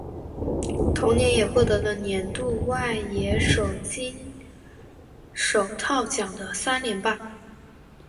同年也获得了年度外野手金手套奖的三连霸。